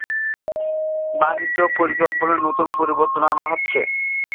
বাণিজ্য পরিকল্পনায় নতুন পরিবর্তন আনা হচ্ছে।